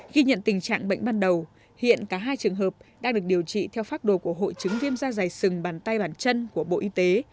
ghi nhận tình trạng bệnh ban đầu hiện cả hai trường hợp đang được điều trị theo phác đồ của hội chứng viêm da dày sừng bàn tay bàn chân của bộ y tế